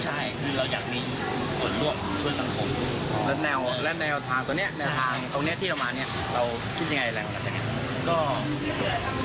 ใช่คืออยากมีคนร่วงช่วยสังคม